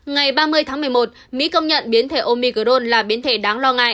ngày ba mươi tháng một mươi một mỹ công nhận biến thể omicron là biến thể đáng chứng nặng